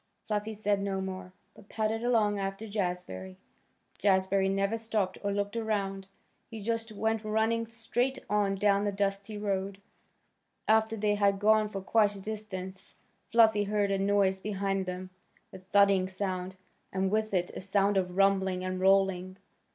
Fluffy said no more, but padded along after Jazbury. Jazbury never stopped or looked around. He just went running straight on down the dusty road. After they had gone for quite a distance Fluffy heard a noise behind them, a thudding sound, and with it a sound of rumbling and rolling.